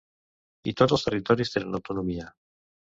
I tots els territoris tenen autonomia.